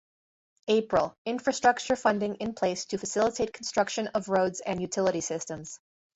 April - Infrastructure funding in place to facilitate construction of roads and utility systems.